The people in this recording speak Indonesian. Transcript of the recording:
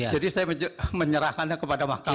jadi saya menyerahkannya kepada mahkamah